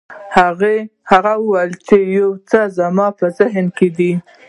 هغه وویل چې یو څه زما په ذهن کې دي.